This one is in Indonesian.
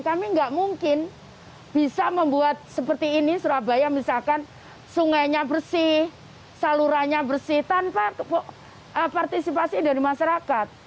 kami nggak mungkin bisa membuat seperti ini surabaya misalkan sungainya bersih salurannya bersih tanpa partisipasi dari masyarakat